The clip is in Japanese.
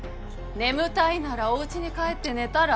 眠たいならおうちに帰って寝たら？